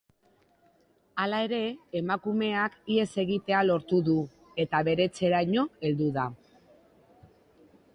Hala ere, emakumeak ihes egitea lortu du eta bere etxeraino heldu da.